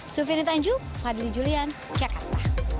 sufini tanju fadli julian cekat